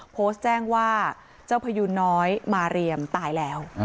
โพสต์แจ้งว่าเจ้าพยูนน้อยมาเรียมตายแล้ว